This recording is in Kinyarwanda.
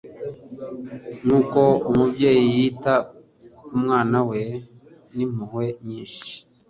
Nk'uko umubyeyi yita ku mwana we n'impuhwe nyinshi